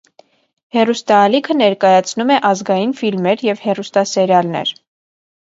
Հեռուստաալիքը ներկայացնում է ազգային ֆիլմեր և հեռուստասերիալներ։